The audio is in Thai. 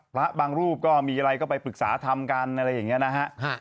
พระบางรูปก็มีอะไรก็ไปปรึกษาทำกันอะไรอย่างนี้นะฮะ